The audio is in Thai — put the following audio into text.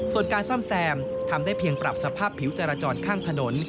ส่วนการซ่อมแซมทำได้เพียงปรับสภาพผิวจราจรข้างถนน